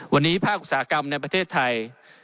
วันนี้ภาคอุตสาหกรรมในประเทศไทย